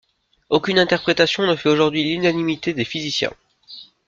Aucune interprétation ne fait aujourd'hui l'unanimité des physiciens.